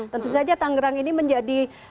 tentu saja tangerang ini menjadi